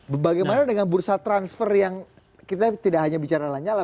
bagaimana dengan bursa transfer yang kita tidak hanya bicara dengan pak nyala